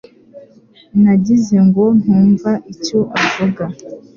Nagize ngo ntumva icyo avuga